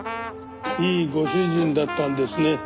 いいご主人だったんですね。